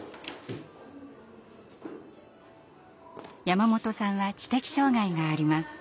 山本さんは知的障害があります。